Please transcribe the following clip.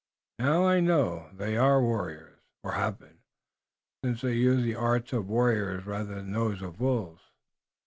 Now I know they are warriors, or have been, since they use the arts of warriors rather than those of wolves."